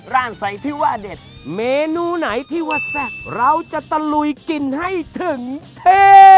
ร่างใสที่ว่าเด็ดเมนูไหนที่ว่าแซ่บเราจะตะลุยกินให้ถึงเท่